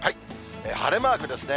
晴れマークですね。